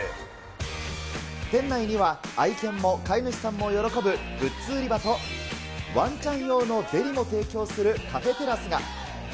店内には、愛犬も飼い主さんも喜ぶグッズ売り場と、ワンちゃん用のデリも提供するカフェテラスが。